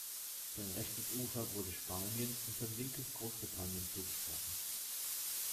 Sein rechtes Ufer wurde Spanien und sein linkes Großbritannien zugesprochen.